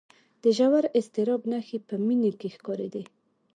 د ژور اضطراب نښې په مينې کې ښکارېدې